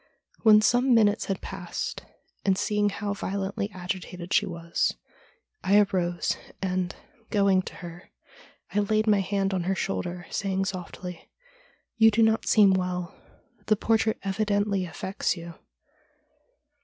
When some minutes had passed, and seeing how violently agitated she was, I arose, and, going to her, I laid my hand on her shoulder, saying softly :' You do not seem well. The portrait evidently affects you.'